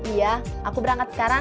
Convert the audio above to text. iya aku berangkat sekarang